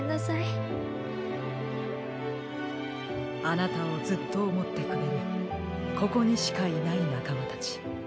あなたをずっとおもってくれるここにしかいないなかまたち。